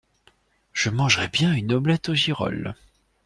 Je mangerais bien une omelette aux girolles.